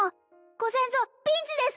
ご先祖ピンチです